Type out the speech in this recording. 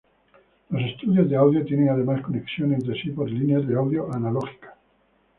Los estudios de audio tienen además conexión entre sí por líneas de audio analógicas.